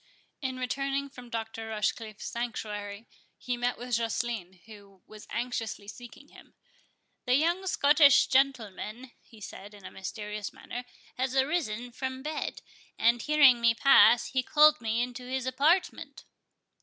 In returning from Dr. Rochecliffe's sanctuary, he met with Joceline, who was anxiously seeking him. "The young Scotch gentleman," he said, in a mysterious manner, "has arisen from bed, and, hearing me pass, he called me into his apartment."